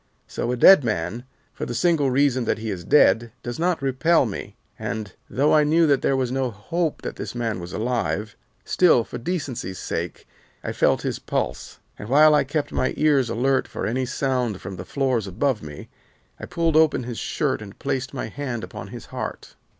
So a dead man, for the single reason that he is dead, does not repel me, and, though I knew that there was no hope that this man was alive, still for decency's sake, I felt his pulse, and while I kept my ears alert for any sound from the floors above me, I pulled open his shirt and placed my hand upon his heart.